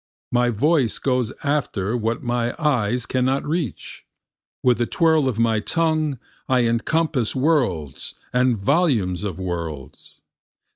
My voice goes after what my eyes cannot reach, With the twirl of my tongue I encompass worlds and volumes of worlds.